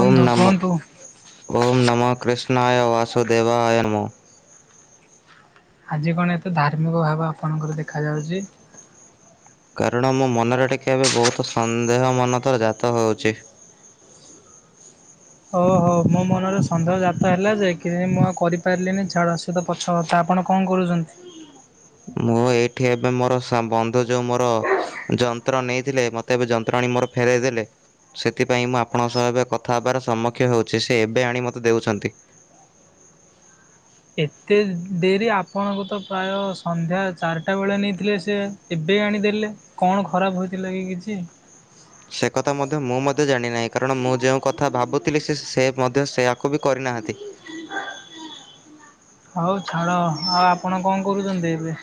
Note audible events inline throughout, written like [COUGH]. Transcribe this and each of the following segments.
ଓମ୍ ନମୋ, କୁହନ୍ତୁ ଓମ୍ ନମୋ କୃଷ୍ଣାୟ ବାସୁଦେବାୟ ନମୋ। ଆଜି କଣ ଏତେ ଧାର୍ମିକ ଭାବ ଆପଣଙ୍କର ଦେଖାଯାଉ? କାରଣ ମୋ ମନରେ ଟିକିଏ ଏବେ ବହୁତ ସନ୍ଦେହ ମନ ତ ଜାତ ହଉଚି। ହଉ ହଉ ମୋ ମନରେ ସନ୍ଦେହ ଜାତ ହେଲା ଯେ କି ମୁଁ କରିପାରିଲିନି ଛାଡ। ସେ ତ ପଛକଥା ଆପଣ କଣ କରୁଛନ୍ତି? ମୁଁ ଏଇଠି ଏବେ ମୋର ସ ବନ୍ଧୁ ଯୋଉ ମୋର ଯନ୍ତ୍ର ନେଇଥିଲେ, ମତେ ଏବେ ଯନ୍ତ୍ରଣି ମୋର ଫେରାଇ ଦେଲେ। ସେଥିପାଇଁ ମୁଁ ଆପଣଙ୍କ ସହ ଏବେ କଥା ହେବାର ସମ୍ମୁଖିୟ ହେଉଚି, ସେ ଏବେ ଆଣି ମୋତେ ଦେଉଛନ୍ତି। ଏତେ ଡେରି ଆପଣଙ୍କୁ ତ ପ୍ରାୟ ସନ୍ଧ୍ୟା ଚାରିଟା ବେଳେ ନେଇଥିଲେ, ସେ। ଏବେ ଆଣିଦେଲେ କଣ ଖରାପ ହୋଇଥିଲା କି କିଛି? ସେ କଥା ମଧ୍ୟ ମୁଁ ମଧ୍ୟ ଜାଣିନାହିଁ କାରଣ ମୁଁ ଯେଉଁ କଥା ଭାବୁଥିଲି ସେ ସେ ମଧ୍ୟ ସେୟାକୁ ବି କରିନାହାନ୍ତି। ହଉ ଛାଡ ଆଉ ଆପଣ କଣ କରୁଛନ୍ତି ଏବେ?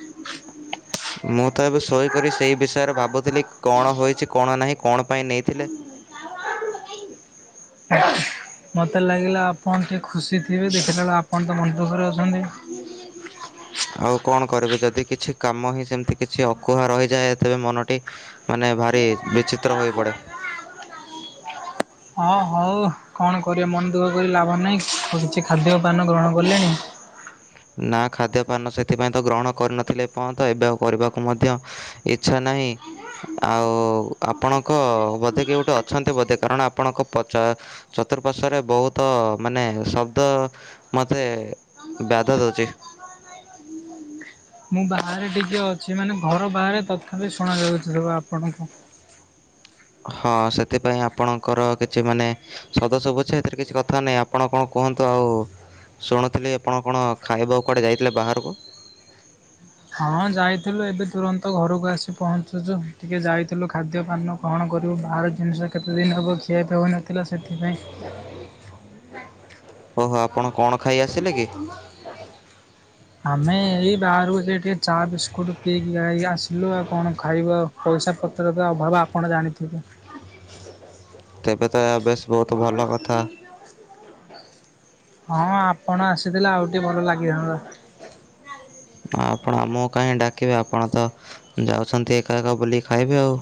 ମୁଁ ତ ଏବେ ଶୋଇକ ସେଇ ବିଷୟରେ ଭାବୁଥିଲି କଣ୍ ହୋଇଛି କଣ୍ ନାହିଁ କଣ୍ ପାଇଁ ନେଇଥିଲେ। ମୋତେ ଲାଗିଲା ଆପଣ ଟିକଏ ଖୁସି ଥିବେ ଦେଖିଲାବେଳେ ଆପଣ ତ ମନେ ଦୁଃଖ କରି ଅଛନ୍ତି। ଆଉ କଣ କରିବେ ଯଦି କିଛି କାମ ହିଁ ସେମିତି କିଛି ଅକୁହା ରହିଯାଏ ତେବେ ମନଟି ମାନେ ଭାରି ବିଚିତ୍ର ହୋଇ ପଡେ। ହଁ ହଉ କଣ କରିବା ମନ ଦୁଃଖ କରି ଲାଭ ନାହିଁ କିଛି ଖାଦ୍ୟ ପାନ ଗ୍ରହଣ କ [UNINTELLIGIBLE] ନା ଖାଦ୍ୟପାନ ସେଥିପାଇଁ ତ ଗ୍ରହଣ କରିନଥିଲେ ଏ ପହନ୍ତ ଏବେ ଆଉ କରିବାକୁ ମଧ୍ୟ ଇଚ୍ଛା ନାହିଁ। ଆଉ ଆପଣଙ୍କ ବୋଧେ କି ଗୋଟେ ଅଛନ୍ତି ବୋଧେ କାରଣ ଆପଣଙ୍କ ପଚା ଚତୁଃପାର୍ଶ୍ଵରେ ବହୁତ ମାନେ ଶବ୍ଦ ମତେ ବ [UNINTELLIGIBLE] ମୁଁ ବାହାରେ ଟିକେ ଅଛି ମାନେ ଘର ବାହାରେ ତଥାପି ଶୁଣ ଯାଉଛି ସୁ ଆପ [UNINTELLIGIBLE] ହଁ ସେଥିପାଇଁ ଆପଣଙ୍କର କିଛି ମାନେ ସଦା ଶଭୁଛେ ଏଥିରେ କିଛି କଥା ନାହିଁ ଆପଣ କଣ କୁହନ୍ତୁ ଆଉ ଶୁଣଥିଲି ଆପଣ କଣ୍ ଖାଇବା କୁଆଡ଼େ ଯାଇଥିଲେ ବାହାରକୁ? ହଁ ଯାଇଥିଲୁ ଏବେ ତୁରନ୍ତ ଘରକୁ ଆସି ପହଞ୍ଚୁଛୁ ଟିକେ ଯାଇଥିଲୁ ଖାଦ୍ୟପାନ କଣ୍ କରିବୁ ବାହାର ଜିନିଷ କେତେଦିନ ହେବ ଖିଆଇପିଆ ହୋଇନଥିଲା ସେଥିପାଇଁ ଓହୋ ଆପଣ କଣ ଖାଇ ଆସିଲେ କି? ଆମେ ଏଇ ବାହାରକୁ ସେ ଟିକେ ଚା ବିସ୍କୁଟ ପିଇକି ଖାଇକି ଆସିଲୁ ଆଉ କଣ ଖାଇବ ଆଉ ପଇସା ପତ୍ରର ଅଭାବ ଆପଣ ଜାଣିଥିବେ। କେବେ ତ ଏହା ବେସ୍ ବୋହୁତ୍ ଭଲ କଥା। [UNINTELLIGIBLE] ହଁ ଆପଣ ଆସିଥିଲେ ଆଉ ଟିକେ ଭଲ ଲାଗିଥାନ୍ତା। ଆଉ ଆପଣ ଆମକୁ କାହିଁ ଡାକିବେ ଆପଣ ତ ଯାଉଛନ୍ତି ଏକା ଏକ ଏକା ବୁଲିକି ଖାଇବେ ଆଉ।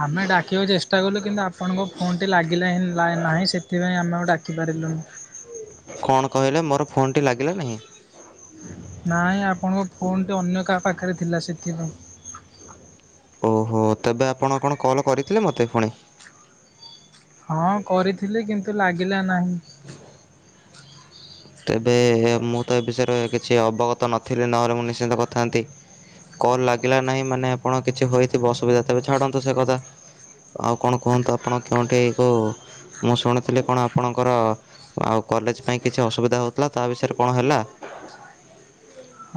ଆମେ ଡାକିବାକୁ ଚେଷ୍ଟା କଲୁ କିନ୍ତୁ ଆପଣଙ୍କ ଫୋନ୍ ଟି ଲାଗିଲା ହିଁ ନାହିଁ ସେଥିପାଇଁ ଆମେ ଆଉ ଡାକିପାରିଲୁନି। କଣ୍ କହିଲେ ମୋର ଫୋନ୍ଟି ଲାଗିଲା ନାହିଁ? ନାଇଁ ଆପଣଙ୍କ ଫୋନ୍ ଟି ଅନ୍ୟ କାହା ପାଖରେ ଥିଲା ସେଥିପାଇଁ। ଓହୋ ତେବେ ଆପଣ କଣ୍ କଲ୍ କରିଥିଲେ ମୋତେ ପୁଣି? ହଁ କରିଥିଲି କିନ୍ତୁ ଲାଗିଲା ନାହିଁ। ହଁ ତେବେ ମୁଁ ତ ଏ ବିଷୟରେ କିଛି ଅବଗତ ନଥିଲି ନହେଲେ ମୁଁ ନିଶ୍ଚିନ୍ତ କଥାନ୍ତି। କଲ୍ ଲାଗିଲା ନାହିଁ ମାନେ ଆପଣ କିଛି ହୋଇଥିବ ଅସୁବିଧା ତେବେ ଛାଡ଼ନ୍ତୁ ସେ କଥା। ଆଉ କଣ କୁହନ୍ତୁ ଆପଣ କେଉଠି ଏକ ମୁଁ ଶୁଣିଥିଲି କଣ୍ ଆପଣଙ୍କର ଆଉ କଲେଜ ପାଇଁ କିଛି ଅସୁବିଧା ହେଉଥିଲା ତା ବିଷୟରେ କଣ୍ ହେଲା?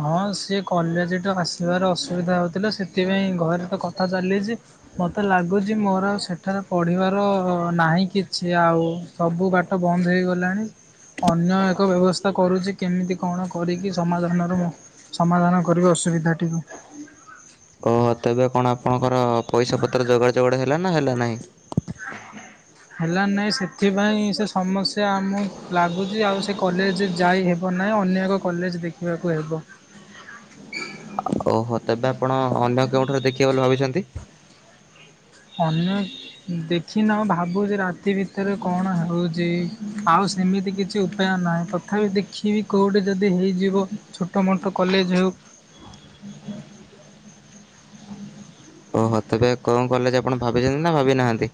ହଁ ସିଏ କଲେଜଠୁ ଆସିବାର ଅସୁବିଧା ହେଉଥିଲା ସେଥିପାଇଁ ଘରେ ତ କଥା ଚାଲିଛି ମତେ ଲାଗୁଛି ମୋର ଆଉ ସେଠ ଏଠାରେ ପଢ଼ିବାର ନାହିଁ କିଛି ଆଉ ସବୁ ବାଟ ବନ୍ଦ ହୋଇଇଗଲାଣି। ଅନ୍ୟ ଏକ ବ୍ୟବସ୍ଥା କରୁଛି। କେମିତି କଣ୍ କରିକି ସମାଧାନର ସମାଧାନ କରିବି ଅସୁବିଧାଟିକୁ। ଓହୋ ତେବେ କଣ୍ ଆପଣଙ୍କର ପଇସା ପତ୍ର ଯୋଗାଡ଼ ଜୋଗାଡ଼ ହେଲା ନା ହେଲା ନାହିଁ? ହେଲା ନାହିଁ ସେଥିପାଇଁ ସେ ସମସ୍ୟା ଆମକୁ ଲାଗୁଛି ଆଉ ସେ କଲେଜ ଯାଇ ହେ ହେ ନାହିଁ ଅନ୍ୟ ଏକ କଲେଜ ଦେଖିବାକୁ ହେବ। ଓହୋ ତେବେ ଆପଣ ଅନ୍ୟ କେଉଁଠାରୁ ଦେଖିବେ ବୋଲି ଭାବିଛନ୍ତି? ଅନ୍ୟ ଦେଖିନା ଭାବୁ ଯେ ରା ଏତି ଭିତରେ କଣ ହେଉଛି ଆଉ ସେମିତି କିଛି ପାୟ ନାହିଁ ତଥାପି ଦେଖିବି କେଉଁଠି ଯଦି ହେଇଯିବ ଛୋଟ ମୋଟ କଲେଜ ହେଉ ଓହୋ ତେବେ କଣ କଲେଯେ ଆପଣ ଭାବିଛନ୍ତି ନା ଭାବି ନାହାନ୍ତି?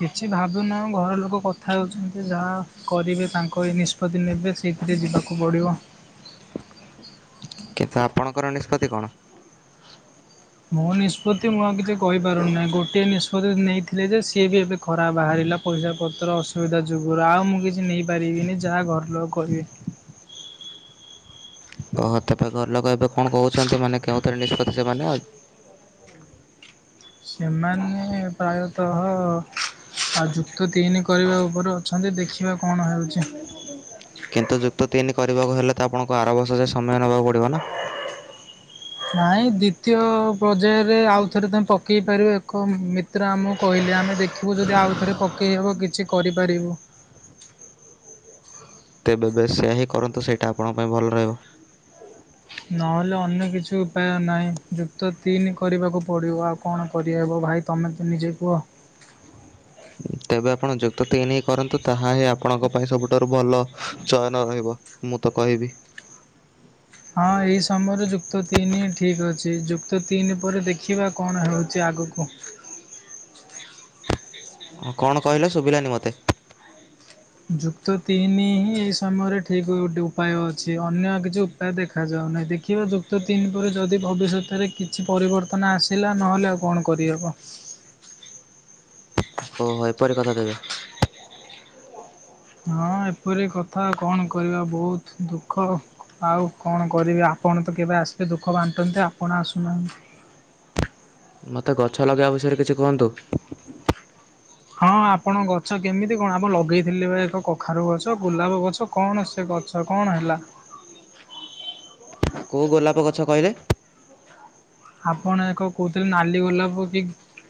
କିଛି ଭାବୁନାହୁଁ ଘର ଲୋକ କଥା ହେଉଛନ୍ତି ଯାହା କରିବେ ତାଙ୍କ ଏ ନିଷ୍ପତ୍ତି ନେବେ। ସେଇଥିରେ ଯିବାକୁ ପଡ଼ିବ। କିନ୍ତ ଆପଣଙ୍କର ନିଷ୍ପତ୍ତି କଣ? ମୋ ନିଷ୍ପତ୍ତି ମୁଁ ଆଉ କିଛି କହିପାରୁନହିଁ ଗୋଟିଏ ନିଷ୍ପତ୍ତି ନେଇଥିଲେ ଯେ ସିଏ ବି ଏବେ ଖରା ବାହାରିଲା ପଇସା ପତ୍ର ଅସୁବିଧା ଯୁଗରୁ ଆଉ ମୁଁ କିଛି ନେଇପାରିବିନି ଯାହା ଘରଲୋକ କହିବେ। ଓହୋ ତବେ ଘରଲୋକ ଏବେ କଣ କହୁଛନ୍ତି ମାନେ କେଉଁଥିରେ ନିଷ୍ପତ୍ତି ସେମାନେ ଆଉ ସେମାନେ ପ୍ରାୟତଃ ହ ଯୁକ୍ତ ତିନି କରିବା ଉପରେ ଅଛନ୍ତି ଦେଖିବା କଣ ହେଉଛି। କିନ୍ତୁ ଯୁକ୍ତ ତିନି କରିବାକୁ ହେଲେ ତ ଆପଣଙ୍କୁ ଆର ବର୍ଷ ଯ ସମୟ ନେବାକୁ ପଡ଼ିବ ନା? ନାଇଁ ଦ୍ଵିତୀୟ ପର୍ଯ୍ୟାୟରେ ଆଉ ଥରେ ତମେ ପକେଇ ପାରିବ ଏକ ଚିତ୍ର ଆମକୁ କହିଲେ ଆମେ ଦେଖିବୁ ଯଦି ଆଉଥରେ ପକେଇ ହେବ କିଛି କରିପାରିବୁ। ତେବେ ବେଶ ସେୟଆ ହିଁ କରନ୍ତୁ ସେଇଟା ଆପଣଙ୍କ ପାଇଁ ଭଲ ରହିବ। ନହେଲେ ଅନ୍ୟ କିଛି ଉପାୟ ନାହିଁ ଯୁକ୍ତ ତିନି କରିବାକୁ ପଡିବ ଆଉ କଣ କରିହେବ ଭାଇ ତୁମେ ତ ନିଜେ କୁହ। ତେବେ ଆପଣ ଯୁକ୍ତ ତିନି କରନ୍ତୁ ତାହା ହିଁ ଆପଣଙ୍କ ପାଇଁ ସବୁଠାରୁ ଭଲ ଚୟନ ରହିବ ମୁଁ ତ କହିବି। ହଁ ଏଇ ସମୟରେ ଯୁକ୍ତ ତିନି ଠିକ୍ ଅଛି ଯୁକ୍ତ ତିନି ପରେ ଦେଖିବା। କଣ ହେଉଛି ଆଗକୁ। କଣ କହିଲେ ଶୁଭିଲାନି ମତେ। ଯୁକ୍ତ ତିନି ହିଁ ଏଇ ସମୟରେ ଠିକ୍ ଗୋଟେ ଉପାୟ ଅଛି ଅନ୍ୟ କିଛି ତା ଦେଖା ଯାଉନାହିଁ ଦେଖିବା ଯୁକ୍ତ ତିନି ପରେ ଯଦି ଭବିଷ୍ୟତରେ କିଛି ପରିବର୍ତ୍ତନ ଆସିଲା ନହେଲେ ଆଉ କଣ କରିହେବ। ଓହୋଏ ପରି କଥା ତେବେ। ହଁ ଏପରି କଥା କଣ କରିବା ବହୁତ ଦୁଃଖ। ଆଉ କଣ କରିବି ଆପଣ ତ କେବେ ଆସିବେ ଦୁଃଖ ବାଣ୍ଟନ୍ତେ ଆପଣ ଆସୁନାହାଁନ୍ତି। ମତେ ଗଛ ଲଗେଇବା ବିଷୟରେ କିଛି କୁହନ୍ତୁ? ହଁ ଆପଣ ଗଛ କେମିତି କଣ ଆପ ଲଗେଇଥିଲେ ପା ଏକ କଖାରୁ ଗଛ ଗୋଲାପ ଗଛ। କଣ ସେ ଗଛ କଣ ହେଲା? କେଉ ଗୋଲାପ ଗଛ କହିଲେ? ଆପଣ ଏକ କହୁଥୁଲେ ନାଲି ଗୋଲାପ କି?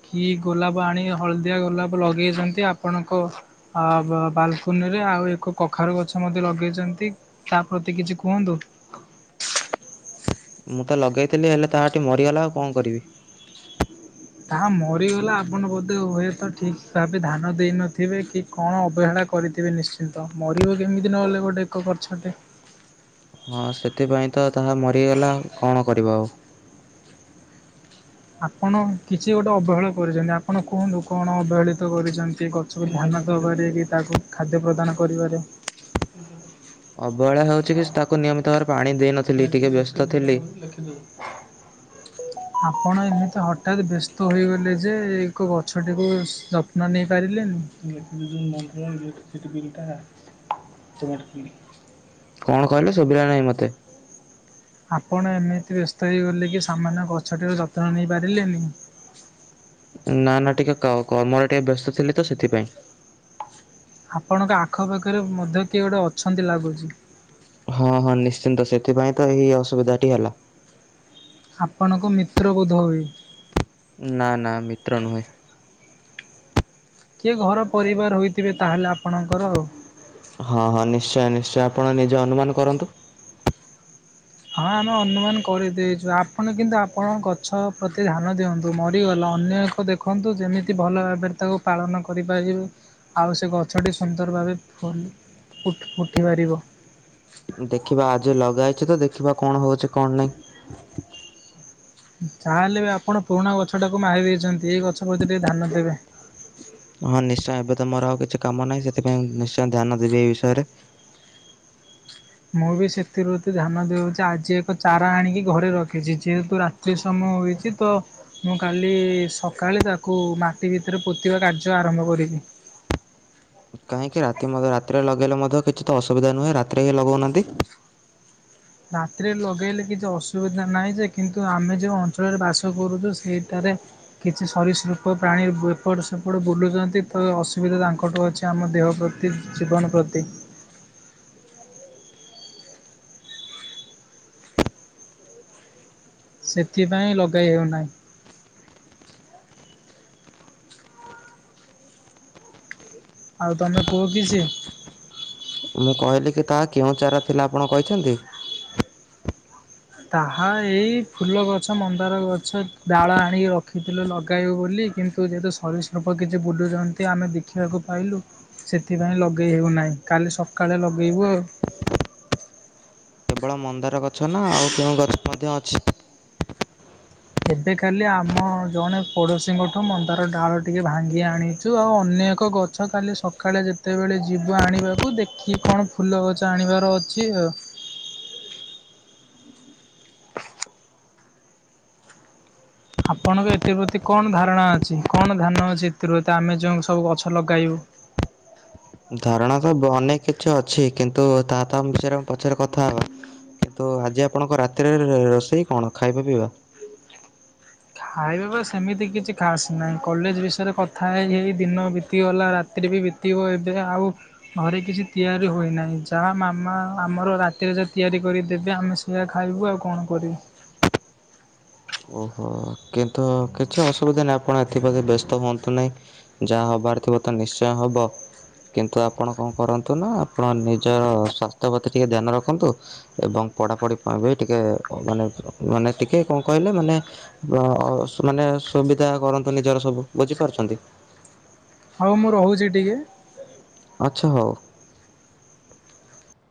କି ଗୋଲାପ ଆଣି ହଳଦିଆ ଗୋଲାପ ଲଗେଇଚନ୍ତି ଆପଣଙ୍କ ଆ ବାଲକୁନି ରେ ଆଉ ଏକ କଖାରୁ ଗଛ ମଧ୍ୟ ଲଗେଇଚନ୍ତି। ତା ପ୍ରତି କିଛି କୁହନ୍ତୁ? ମୁଁ ତ ଲଗେଇଥିଲି ହେଲେ ତାଆଠି ମରିଗଲା ଆଉ କଣ କରିବି। ତାହା ମରିଗଲା ଆପଣ ବୋଧେ ହୁଏତ ଠିକ୍ ସେ ଭାବେ ଧାନ ଦେଇନଥିବେ କି କଣ ଅବହେଳା କରିଥିବେ ନିଶ୍ଚିନ୍ତ ମରିବ କେମିତି ନହେଲେ ଗୋଟେ ଏକ ଗୋଟେ। ହଁ ସେଥିପାଇଁ ତ ତାଙ୍କର ମରିଗଲା କଣ କରିବ ଆଉ। ଆପଣ କିଛି ଗୋଟେ ଅବହେଳା କରିଛନ୍ତି ଆପଣ କୁହନ୍ତୁ କଣ ଅବହେଳିତ କରିଛନ୍ତି ଗ ସବୁ ଧ୍ୟାନ ଦବାରେ କି ତାକୁ ଖାଦ୍ୟ ପ୍ରଦାନ କରିବାରେ। [INAUDIBLE] ଅବହେଳା ହଉଚି କି ତାକୁ ନିୟମିତ ଭାବରେ ପାଣି ଦେଇ ନଥିଲି ଟିକେ ବ୍ୟସ୍ତ ଥିଲି। ଆପଣ ଏମିତି ହଠାତ୍ ବ୍ୟସ୍ତ ହୋଇଗଲେ ଯେ ଏକ ଏକ ଗଛଟିକୁ ଯତ୍ନ ନେଇପାରିଲେନି। ଇଲେକ୍ଟ୍ରି ଜୁନ୍ ମନ୍ଥର ଇଲେକ୍ଟ୍ରିସିଟି ବିଲଟା ପେମେଣ୍ଟ କଲି। କଣ କହିଲେ ଶୁଭିଲା ନାହିଁ ମତେ। ଆପଣ ଏମିତି ବ୍ୟସ୍ତ ହେଇଗଲେ କି ସାମାନ୍ୟ ଗଛଟିର ଯତ୍ନ ନେଇ ପାରିଲେନି? ନାଁ ନାଁ ଟିକେ କ କର୍ମରେ ଟିକେ ବ୍ୟସ୍ତ ଥିଲେ ତ ସେଥିପାଇଁ। ଆପଣଙ୍କ ଆଖପାଖରେ ମଧ୍ୟ କିଏ ଗୋଟେ ଅଛନ୍ତି ଲାଗୁଚି। ହଁ ହଁ ନିଶ୍ଚିନ୍ତ ସେଥିପାଇଁ ତ ହେଇ ଅସୁବିଧା ଟି ହେଲା। ଆପଣଙ୍କ ମିତ୍ର ବୋଧ ହୁଏ। ନାଁ ନାଁ ମିତ୍ର ନୁହେଁ। କିଏ ଘର ପରିବାର ହୋଇଥିବେ ତାହେଲେ ଆପଣଙ୍କର ଆଉ। ହଁ ନିଶ୍ଚୟ ନିଶ୍ଚୟ ଆପଣ ନିଜେ ଅନୁମାନ କରନ୍ତୁ। ହଁ ଆମେ ଅନୁମାନ କରିଦେଇଚୁ ଆପଣ କିନ୍ତୁ ଆପଣ ଗଛ ପ୍ରତି ଧ୍ୟାନ ଦିଅନ୍ତୁ ମରିଗଲା ଅନ୍ୟ ଏକ ତ ଦେଖନ୍ତୁ ଯେମିତି ଭଲ ଭାବେରେ ତାକୁ ପାଳନ କରିପାରିବେ। ଆଉ ସେ ଗଛଟି ସୁନ୍ଦର ଭାବେ ଫୁଲ୍ ଉଠ୍ ଉଠି ପାରିବ। ଦେଖିବା ଆଜି ଲଗା ହେଇଚି ତ ଦେଖିବା କଣ ହଉଚି କଣ ନାଇଁ। ଯା ହେଲେ ବି ଆପଣ ପୁରୁଣା ଗଛଟାକୁ ମାରି ଦେଇଛନ୍ତି ଏଇ ଗଛ ପ୍ରତି ଟିକେ ଧ୍ୟାନ ଦେବେ। ହଁ ନିଶ୍ଚୟ ଏବେ ତ ମୋର ଆଉ କିଛି କାମ ନାହିଁ ସେଥିପାଇଁ ନିଶ୍ଚୟ ଧ୍ୟାନ ଦେବି ଏଇ ବିଷୟରେ। ମୁଁ ବି ସେଥିପ୍ରତି ଧ୍ୟାନ ଦେଉଚି ଆଜି ଏକ ଚାରା ଆଣିକି ଘରେ ରଖିଚି ଯେହେତୁ ରା ତି ସମୟ ହୋଇଚି ତ ମୁଁ କାଲି ସକାଳେ ତାକୁ ମାଟି ଭିତରେ ପୋତିବା କାର୍ଯ୍ୟ ଆରମ୍ଭ କରିବି। କାହିଁକି ରାତି ମ ରାତିରେ ଲଗେଇଲେ ମଧ୍ୟ କିଛି ତ ଅସୁବିଧା ନୁହେଁ ରାତିରେ ହିଁ ଲଗଉନାହାନ୍ତି। ରାତିରେ ଲଗେଇଲେ କିଛି ଅସୁବିଧା ନାହିଁ ଯେ କିନ୍ତୁ ଆମେ ଯେଉଁ ଅଞ୍ଚଳରେ ବାସ କରୁଛୁ ସେଇଟାରେ କିଛି ସରିସୃପ ପ୍ରାଣୀ ଏ ଏପଟ ସେପଟ ବୁଲୁଛନ୍ତି ତ ଅସୁବିଧା ତାଙ୍କଠୁ ଅଛି ଆମ ଦେହ ପ୍ରତି ତିି ଜୀବନ ପ୍ରତି। ସେଥିପାଇଁ ଲଗେଇ ହେଉନାହିଁ। ଆଉ ତମେ କୁହ କିଛି? ମୁଁ କହିଲି କି ତାହା କେଉଁ ଚାରା ଥିଲା ଆପଣ କହିଛନ୍ତି? ତାହା ଏଇ ଫୁଲ ଗଛ ମନ୍ଦାର ଗଛ ଡାଳ ଆଣିକି ରଖିଥିଲୁ ଲଗାଇବୁ ବୋଲି କିନ୍ତୁ ତୁ ଯେହେତୁ ସରୀସୃପ କିଛି ବୁଲୁଛନ୍ତି ଆମେ ଦେଖିବାକୁ ପାଇଲୁ। ସେଥିପାଇଁ ଲଗେଇ ହେଉନାହିଁ କାଲି ସକାଳେ ଲଗେଇବୁ ଆଉ। କେବଳ ମନ୍ଦାର ଗଛ ନା ଆଉ କେଉଁ ଗଛ ମଧ୍ୟ ଅଛି? ଏବେ ଖାଲି ଆମ ଜଣେ ପଡ଼ୋଶୀଙ୍କଠୁ ମନ୍ଦାର ଡାଳ ଟିକେ ଭାଙ୍ଗି ଆଣିଛୁ ଆଉ ଅନ୍ୟ ଏକ ଗ ଗଛ କାଲି ସକାଳେ ଯେତେବେଳେ ଯିବୁ ଆଣିବାକୁ ଦେଖିକି କଣ ଫୁଲ ଗଛ ଆଣିବାର ଅଛି ଆଉ। ଆପଣଙ୍କ ଏଥି ପ୍ରତି କଣ ଧାରଣା ଅଛି କଣ ଧାନ ଅଛି ଏଥିପ୍ରତି ଆମେ ଯେଉଁ ସବୁ ଗଛ ଲଗାଇବୁ। ଧାରଣା ତ ବ ଅନେକ କିଛି ଅଛି କିନ୍ତୁ ତା ତାମ ବିଷୟରେ ଆମେ ପଚରେ କଥା ହବା। କିନ୍ତୁ ଆଜି ଆପଣଙ୍କ ରାତିରେ ରୋଷେଇ କଣ ଖାଇବା ପିଇବା? ଖାଇବା ବା ସେମିତି କିଛି ଖାସ୍ ନାହିଁ କଲେଜ ବିଷୟରେ କଥା ହେଇ ହେଇ ଦିନ ବିତିଗଲା ରାତିରେ ବି ବିତି ତିବ ଏବେ ଆଉ ଘରେ କିଛି ତିଆରି ହୋଇନାହିଁ ଯାହା ମାମା ଆମର ରାତିରେ ର ତିଆରି କରିଦେବେ ଆମେ ଯହା ଖାଇବୁ ଆଉ କଣ କରିବୁ? ଓହୋ କିନ୍ତୁ କିଛି ଅସୁବିଧା ନାହିଁ ଆପଣ ଏଥିପ୍ରତି ବ୍ୟସ୍ତ ହୁଅନ୍ତୁ ନାହିଁ। ଯାହା ହବାର ଥିବ ତ ନିଶ୍ଚୟ ହବ। କିନ୍ତୁ ଆପଣ କଣ କରନ୍ତୁ ନା ଆପଣ ନିଜର ସ୍ୟାସ୍ଥ୍ୟ ପ୍ରତି ଟିକେ ଧ୍ୟାନ ରଖନ୍ତୁ। ଏବଂ ପଢାପଢି ପାଇଁ ବି ଟିକେ ଅ ମାନେ ମାନେ ଟିକେ କଣ କହିଲେ ମାନେ ଅ ସ ମାନେ ସୁବିଧା କରନ୍ତୁ ନିଜର ସବୁ ବୁଝିପାରୁଛନ୍ତି? ହଉ ମୁଁ ରହୁଛି ଟିକେ। ଆଚ୍ଛା ହଉ।